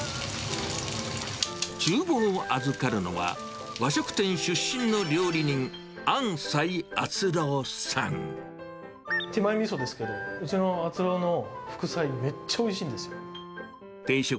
ちゅう房を預かるのは、和食店出身の料理人、手前みそですけど、うちの敦郎の副菜、めっちゃおいしいんですよ。